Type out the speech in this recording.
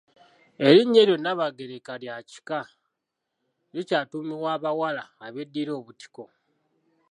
Erinnya eryo Nnaabagereka lya kika, likyatuumibwa abawala abeddira Obutiko.